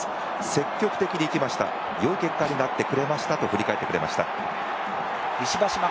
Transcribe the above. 積極的にいきましたよい結果になってくれましたと振り返ってくれました。